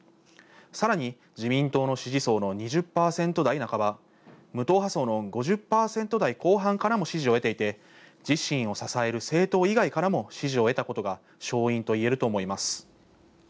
さらに自民党の支持層の２０％台半ば無党派層の５０％台後半からも支持を得ていて、自身を支える政党以外からも支持を得たことが勝因と言えるとも思います。